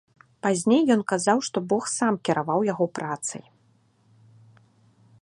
Пазней ён казаў, што бог сам кіраваў яго працай.